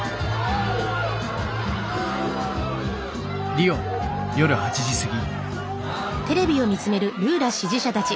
リオ夜８時過ぎ。